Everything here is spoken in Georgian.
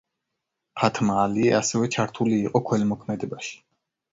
ფათმა ალიე ასევე ჩართული იყო ქველმოქმედებაში.